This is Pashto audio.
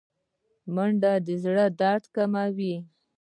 منډه د زړه درد کموي